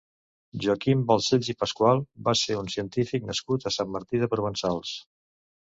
Joaquim Balcells i Pascual va ser un científic nascut a Sant Martí de Provençals.